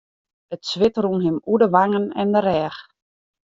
It swit rûn him oer de wangen en de rêch.